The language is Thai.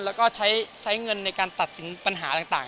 แล้วก็ใช้เงินในการตัดสินปัญหาต่าง